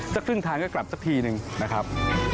เจ้าครึ่งทางก็กลับเจอกันทีหน่อยนะครับ